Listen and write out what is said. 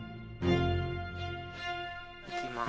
いきます。